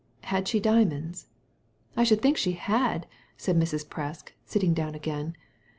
" Had she diamonds ?"" I should think she had !" said Mrs. Presk, sitting down again.